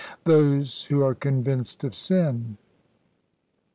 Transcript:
"Those who are convinced of sin."